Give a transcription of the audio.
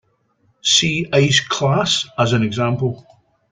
See Ice class as an example.